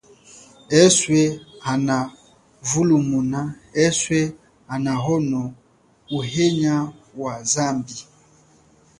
Eswe hana vulumuna, eswe kanahono uhenya wa zambi.